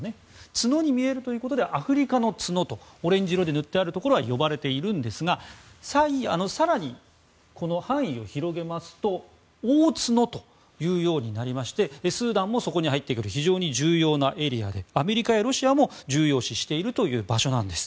角に見えるということでアフリカの角とオレンジ色で塗ってあるところが呼ばれているんですが更に、範囲を広げますと大角というようになりましてスーダンもそこに入ってくる非常に重要なエリアでアメリカやロシアも重要視している場所なんです。